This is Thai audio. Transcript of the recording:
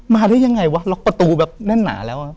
มาได้ยังไงวะล็อกประตูแบบแน่นหนาแล้ว